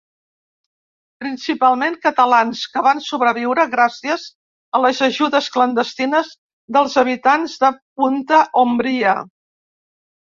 Principalment catalans que van sobreviure gràcies a les ajudes clandestines dels habitants de Punta Ombria.